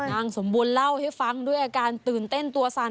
นางสมบูรณ์เล่าให้ฟังด้วยอาการตื่นเต้นตัวสั่น